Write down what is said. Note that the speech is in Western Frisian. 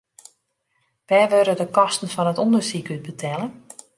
Wêr wurde de kosten fan it ûndersyk út betelle?